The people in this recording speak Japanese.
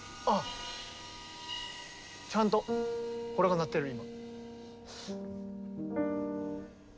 ちゃんとこれが鳴ってる今。